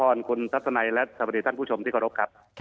คุณทัศนัยและสวัสดีท่านผู้ชมที่เคารพครับ